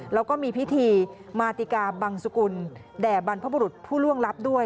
แล้วก็มีพิธีมาติกาบังสุกุลแด่บรรพบุรุษผู้ล่วงลับด้วย